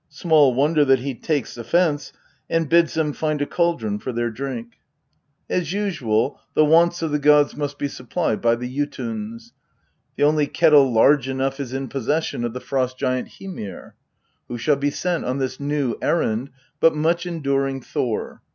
Small wonder that he takes offence, and bids them^"^ cauldron for their drink. INTRODUCTION. xxxni As usual, the wants of the gods must be supplied by the Jotuns ; the only kettle large enough is in possession of the Frost giant Hymir. Who shall be sent on this new errand but much enduring Thor